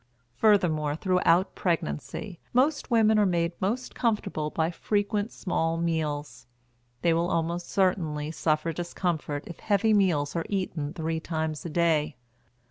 Furthermore, throughout pregnancy, most women are made most comfortable by frequent small meals; they will almost certainly suffer discomfort if heavy meals are eaten three times a day.